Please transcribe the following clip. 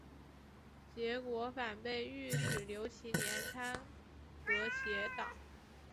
结果反被御史刘其年参劾结党。